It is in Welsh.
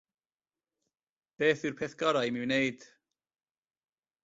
Beth yw'r peth gorau i mi wneud?